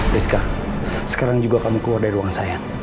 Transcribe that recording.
rizka sekarang juga kamu keluar dari ruang saya